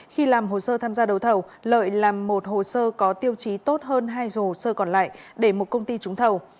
khi làm hồ sơ tham gia đầu thầu lợi làm một hồ sơ có tiêu chí tốt hơn hai hồ sơ còn lại để một công ty trúng thầu